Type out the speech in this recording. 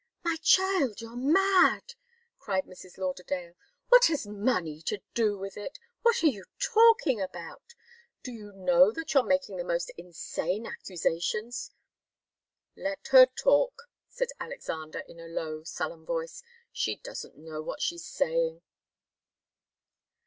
"My child, you're mad!" cried Mrs. Lauderdale. "What has money to do with it? What are you talking about? Do you know that you're making the most insane accusations?" "Let her talk," said Alexander, in a low, sullen voice. "She doesn't know what she's saying."